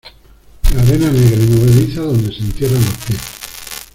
la arena negra y movediza donde se entierran los pies ;